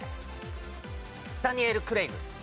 ダニエル・クレイグ。